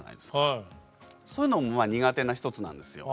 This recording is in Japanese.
そういうのもまあ苦手な一つなんですよ。